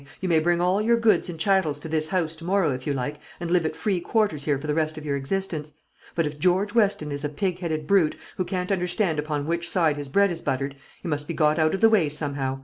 You may bring all your goods and chattels to this house to morrow, if you like, and live at free quarters here for the rest of your existence. But if George Weston is a pig headed brute, who can't understand upon which side his bread is buttered, he must be got out of the way somehow.